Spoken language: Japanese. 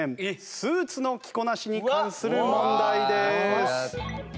スーツの着こなしに関する問題です。